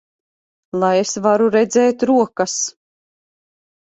Lai es varu redzēt rokas!